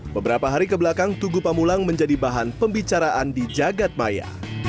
beberapa hari kebelakang tugu pamulang menjadi bahan pembicaraan di jagadmaya